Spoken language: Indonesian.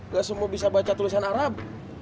gak semua bisa baca tulisan arab